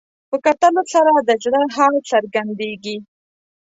په کتلو سره د زړه حال څرګندېږي